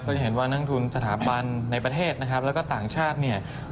จะเห็นว่านักทุนสถาบันในประเทศนะครับแล้วก็ต่างชาติเนี่ย